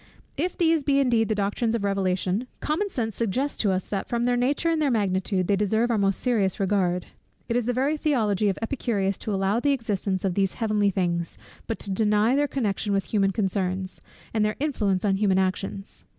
If these be indeed the doctrines of Revelation, common sense suggests to us that from their nature and their magnitude, they deserve our most serious regard. It is the very theology of Epicurus to allow the existence of these "heavenly things," but to deny their connection with human concerns, and their influence on human actions.